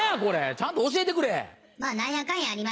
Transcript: ちゃんと教えてくれ。